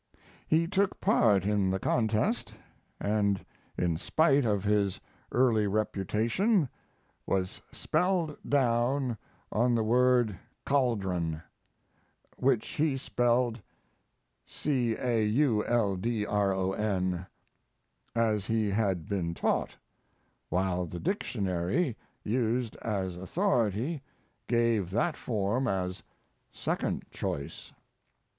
He took part in the contest, and in spite of his early reputation, was spelled down on the word "chaldron," which he spelled "cauldron," as he had been taught, while the dictionary used as authority gave that form as second choice.